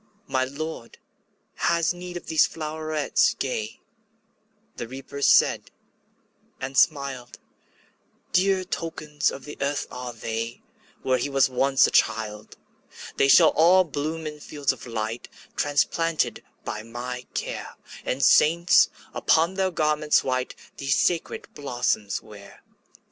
``My Lord has need of these flowerets gay,'' The Reaper said, and smiled; ``Dear tokens of the earth are they, Where he was once a child. ``They shall all bloom in fields of light, Transplanted by my care, And saints, upon their garments white, These sacred blossoms wear.''